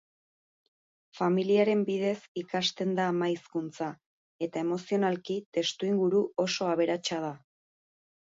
Familiaren bidez ikasten da ama hizkuntza, eta emozionalki testuinguru oso aberatsa da.